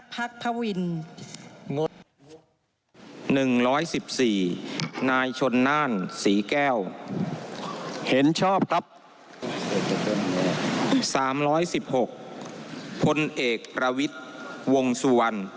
๓๑๖พลเอกประวิทย์วงสุวรรณ